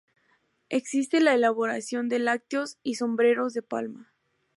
Existe la elaboración de lácteos y sombreros de palma.